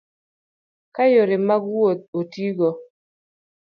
Ka yore mag wuoth otigo